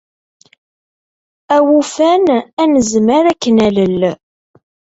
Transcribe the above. A win yufan, ad nezmer ad k-nalel.